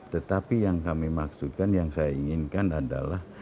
tetapi yang kami maksudkan yang saya inginkan adalah